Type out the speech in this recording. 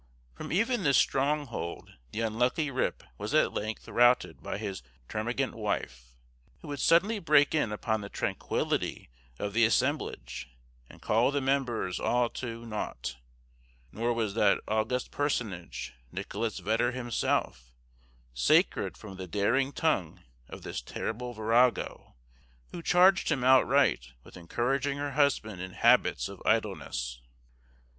From even this stronghold the unlucky Rip was at length routed by his termagant wife, who would suddenly break in upon the tranquillity of the assemblage, and call the members all to nought; nor was that august personage, Nicholas Vedder himself, sacred from the daring tongue of this terrible virago, who charged him outright with encouraging her husband in habits of idleness.